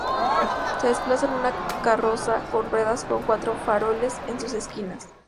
Se desplaza en una carroza con ruedas con cuatro faroles en sus esquinas.